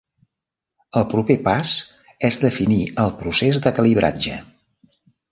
El proper pas és definir el procés de calibratge.